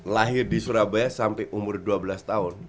lahir di surabaya sampai umur dua belas tahun